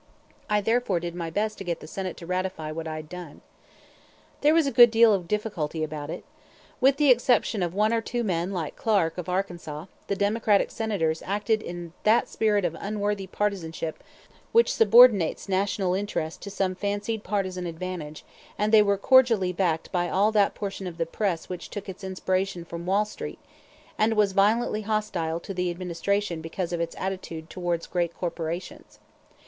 I therefore did my best to get the Senate to ratify what I had done. There was a good deal of difficulty about it. With the exception of one or two men like Clark of Arkansas, the Democratic Senators acted in that spirit of unworthy partisanship which subordinates national interest to some fancied partisan advantage, and they were cordially backed by all that portion of the press which took its inspiration from Wall Street, and was violently hostile to the Administration because of its attitude towards great corporations.